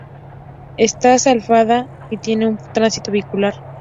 Está asfaltada y tiene poco tránsito vehicular.